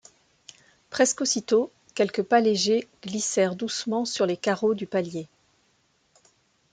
Presque aussitôt, quelques pas légers glissèrent doucement sur les carreaux du palier.